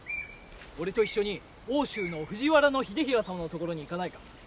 俺と一緒に奥州の藤原秀衡様のところに行かないか？